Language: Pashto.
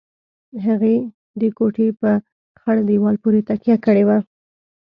هغې د کوټې په خړ دېوال پورې تکيه کړې وه.